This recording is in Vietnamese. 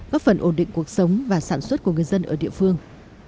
góp phần ổn định cuộc sống và sản xuất của người dân ở địa phương